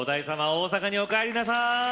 大阪におかえりなさい！